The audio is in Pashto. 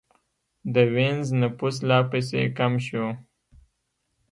د وینز نفوس لا پسې کم شو.